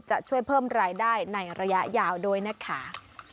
จะช่วยเพิ่มรายได้ในระยะยาวด้วยนะคะ